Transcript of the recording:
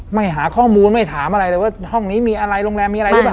ไม่หาข้อมูลไม่ถามอะไรเลยว่าห้องนี้มีอะไรโรงแรมมีอะไรหรือเปล่า